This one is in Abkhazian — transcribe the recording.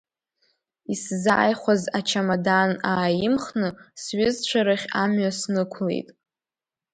Исзааихәаз ачамадан ааимхны, сҩызцәа рахь амҩа снықәлеит.